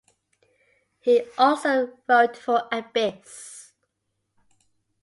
He also wrote for "Ibis".